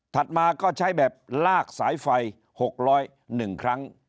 มาก็ใช้แบบลากสายไฟ๖๐๑ครั้ง